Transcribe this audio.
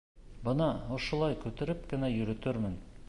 Бына ошолай күтәреп кенә йөрөтөрмөн!